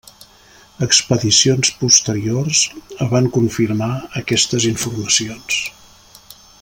Expedicions posteriors van confirmar aquestes informacions.